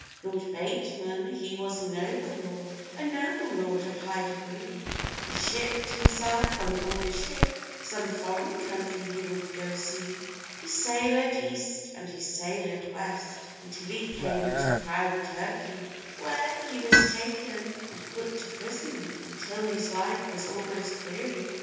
] LORD BATEMAN he was a noble lord, A noble lord of high degree; He shipped himself on board a ship, Some foreign country he would go see. He sailèd east, and he sailèd west, Until he came to proud Turkèy; Where he was taken, and put to prison, Until his life was almost weary.